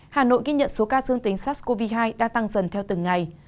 hà nội ghi nhận số ca dương tính sars cov hai đã tăng dần theo từng ngày